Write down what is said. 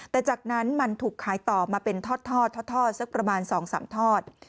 แต่จากนั้นมันถูกขายต่อมาเป็นทอดสักประมาณ๒๓ทอด